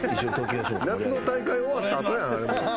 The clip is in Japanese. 夏の大会終わった後やん。